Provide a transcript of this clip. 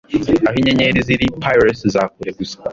Aho inyenyeri ziri pyres za kure gusa